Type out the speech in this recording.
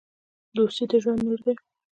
دوستي د ژوند نور دی.